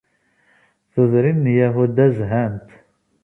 Tudrin n Yahuda zhant.